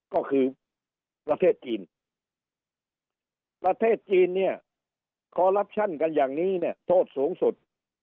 ก็คือประเทศจีนประเทศจีนเนี่ยคอลลับชั่นกันอย่างนี้เนี่ยโทษสูงสุด